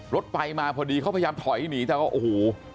รถไฟมาพอดีเขาพยายามถอยหนีแต่ว่าโอ้โห